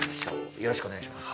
よろしくお願いします。